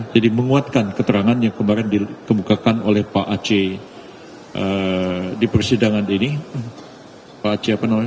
jadi menguatkan keterangan yang kemarin dikemukakan oleh pak aceh di persidangan ini